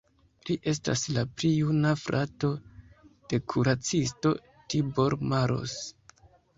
Li estas la pli juna frato de kuracisto Tibor Maros.